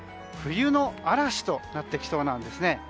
冬の嵐となってきそうなんです。